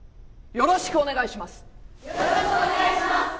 よろしくお願いします。